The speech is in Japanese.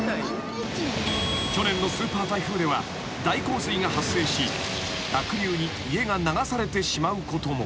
［去年のスーパー台風では大洪水が発生し濁流に家が流されてしまうことも］